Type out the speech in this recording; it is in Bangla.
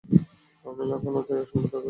আমি লাখনৌতে সম্পাদকে কল করে দিয়েছি।